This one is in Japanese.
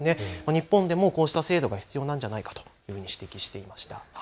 日本でもこうした制度が必要なんじゃないかと指摘していました。